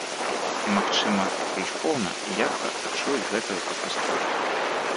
І, магчыма, больш поўна і ярка адчуюць гэтую катастрофу.